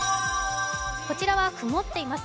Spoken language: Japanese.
こちらは曇っています。